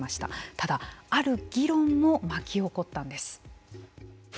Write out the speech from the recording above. ただ、ある議論も巻き起こったんです。